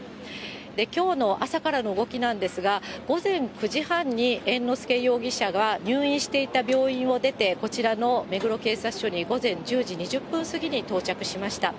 きょうの朝からの動きなんですが、午前９時半に猿之助容疑者が入院していた病院を出て、こちらの目黒警察署に午前１０時２０分過ぎに到着しました。